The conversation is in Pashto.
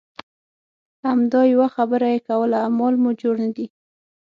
همدا یوه خبره یې کوله اعمال مو جوړ نه دي.